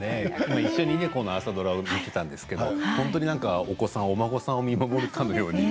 一緒に朝ドラを見ていたんですけど本当にお子さん、お孫さんを見守るかのように。